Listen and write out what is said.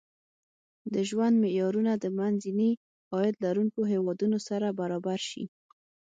د ژوند معیارونه د منځني عاید لرونکو هېوادونو سره برابر شي.